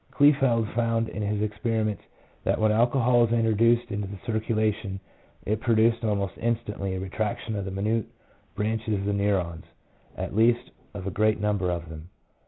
Kleefeld found in his experi ments, that when alcohol was introduced into the circulation, it produced almost instantly a retraction of the minute branches of the neurons, at least of a great number of them.